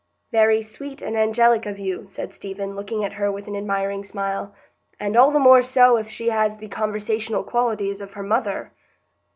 "Very sweet and angelic of you," said Stephen, looking at her with an admiring smile; "and all the more so if she has the conversational qualities of her mother."